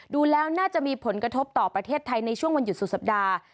ดูแล้วน่าจะมีผลกระทบต่อประเทศไทยในช่วงวันหยุดสุดสัปดาห์